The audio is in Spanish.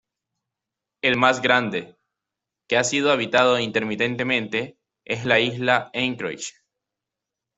El más grande, que ha sido habitado intermitentemente, es la isla Anchorage.